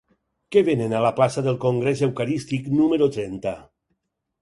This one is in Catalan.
Què venen a la plaça del Congrés Eucarístic número trenta?